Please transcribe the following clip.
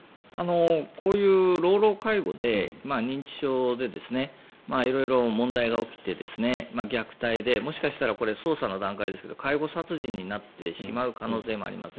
こういう老老介護で認知症で色々、問題が起きて虐待で、もしかしたらこれ、捜査の段階ですけど介護殺人になってしまう可能性もあります。